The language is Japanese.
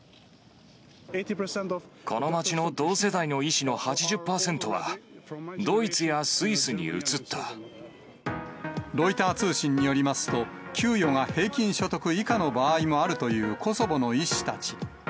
この町の同世代の医師の８０％は、ロイター通信によりますと、給与が平均所得以下の場合もあるというコソボの医師たち。